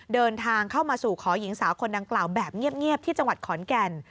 เดินทางเข้ามาสู่ขอหญิงสาวคนดังกล่าวแบบเงียบที่จังหวัดขอนแก่น